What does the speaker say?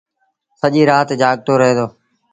سڄيٚ رآت جآڳتو رهي دو۔